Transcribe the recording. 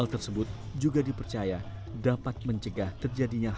ritual tersebut juga dipercaya dapat mencegah terjadinya hal